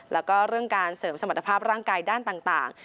แล้วก็เรื่องการเสริมสมรรถภาพร่างกายด้านต่าง